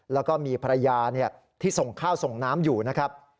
แล้วก็มีภรรยาที่ส่งข้าวส่งน้ำอยู่นะครับ